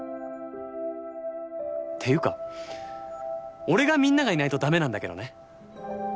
っていうか俺がみんながいないと駄目なんだけどね。